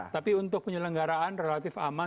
tapi untuk penyelenggaraan relatif aman